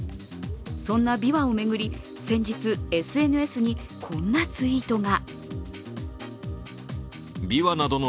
そんなびわを巡り先日、ＳＮＳにこんなツイートが。